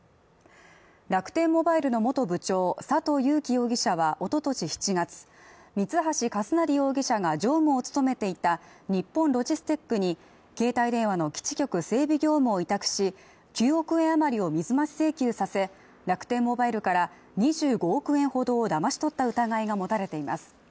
楽天モバイルの元部長佐藤友紀容疑者は一昨年７月、三橋一成容疑者が常務を務めていた日本ロジステックに携帯電話の基地局整備業務を委託し、９億円余りを水増し請求させ、楽天モバイルから２５億円ほどをだまし取った疑いが持たれています。